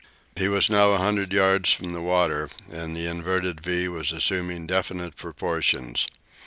He was now a hundred yards from the water, and the inverted "V" was assuming definite proportions.